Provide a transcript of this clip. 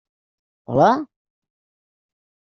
Hola?